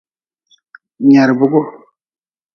Nyerbigu.